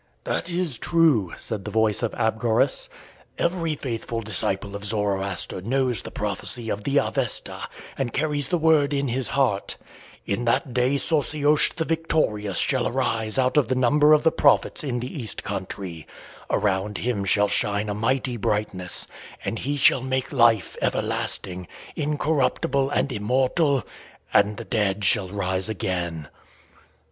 "That is true," said the voice of Abgarus; "every faithful disciple of Zoroaster knows the prophecy of the Avesta and carries the word in his heart. 'In that day Sosiosh the Victorious shall arise out of the number of the prophets in the east country. Around him shall shine a mighty brightness, and he shall make life everlasting, incorruptible, and immortal, and the dead shall rise again.'"